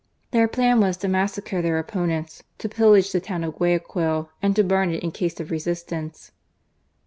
Their plan was to massacre their oppo nents, to pillage the town of Guayaquil, and to burn it in case of resistance.